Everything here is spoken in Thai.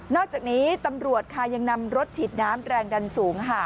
อกจากนี้ตำรวจค่ะยังนำรถฉีดน้ำแรงดันสูง